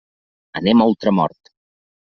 Anem a Ultramort.